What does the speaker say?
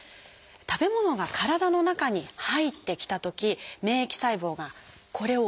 食べ物が体の中に入ってきたとき免疫細胞がこれを異物と捉えます。